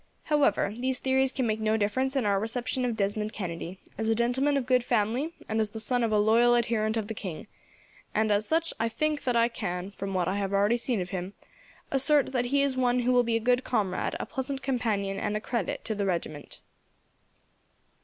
However, these theories can make no difference in our reception of Desmond Kennedy, as a gentleman of a good family, and as the son of a loyal adherent of the king; and as such, I think that I can, from what I have already seen of him, assert that he is one who will be a good comrade, a pleasant companion, and a credit to the regiment."